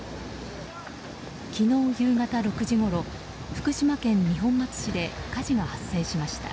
昨日夕方６時ごろ福島県二本松市で火事が発生しました。